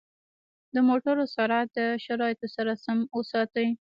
د موټرو سرعت د شرایطو سره سم وساتئ.